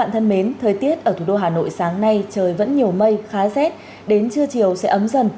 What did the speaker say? thân mến thời tiết ở thủ đô hà nội sáng nay trời vẫn nhiều mây khá rét đến trưa chiều sẽ ấm dần